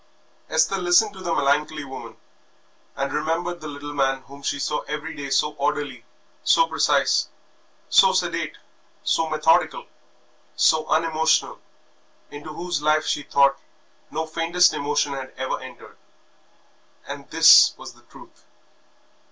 Esther listened to the melancholy woman, and remembered the little man whom she saw every day so orderly, so precise, so sedate, so methodical, so unemotional, into whose life she thought no faintest emotion had ever entered and this was the truth.